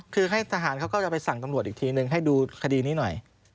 คือให้ทหารเขาก็จะไปสั่งตำรวจอีกทีนึงให้ดูคดีนี้หน่อย